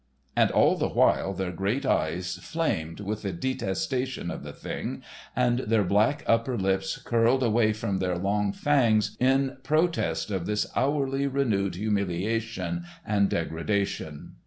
And all the while their great eyes flamed with the detestation of the thing and their black upper lips curled away from their long fangs in protest of this hourly renewed humiliation and degradation.